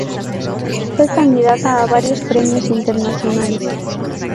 Fue candidata a varios premios internacionales.